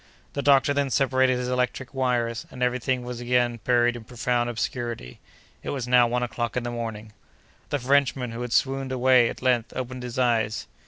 The doctor then separated his electric wires, and every thing was again buried in profound obscurity. It was now one o'clock in the morning. The Frenchman, who had swooned away, at length opened his eyes.